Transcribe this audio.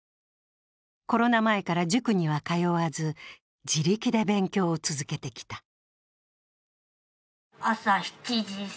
コロナ前からは塾には通わず、自力で勉強を続けてきた。